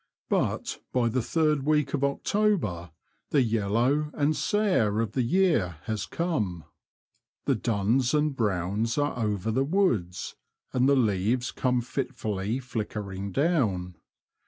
But by the third week of October the yellow and sere of The Confessions of a Poacher, 75 the year has come. The duns and browns are over the woods, and the leaves come fitfully flickering down.